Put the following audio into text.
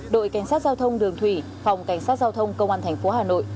đội cảnh sát giao thông đường thủy phòng cảnh sát giao thông công an tp hà nội